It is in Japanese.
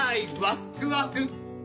ワックワク！